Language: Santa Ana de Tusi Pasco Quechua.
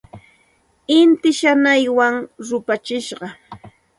Inti shanaywan rupachishqa.